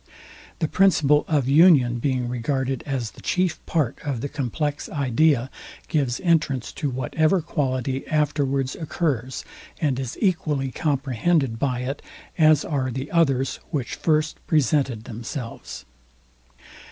The principal of union being regarded as the chief part of the complex idea, gives entrance to whatever quality afterwards occurs, and is equally comprehended by it, as are the others, which first presented themselves.